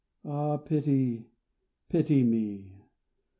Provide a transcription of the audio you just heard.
Ah, pity, pity me!